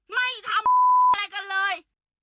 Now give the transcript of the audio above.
ไม่ทำอะไรกันเลย